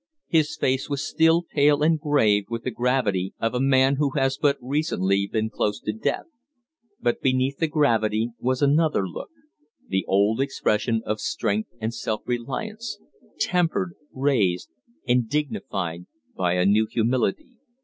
His face was still pale and grave with the gravity of a man who has but recently been close to death, but beneath the gravity was another look the old expression of strength and self reliance, tempered, raised, and dignified by a new humility.